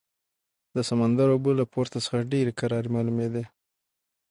د سمندر اوبه له پورته څخه ډېرې کرارې معلومېدې.